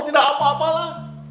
tidak apa apa lah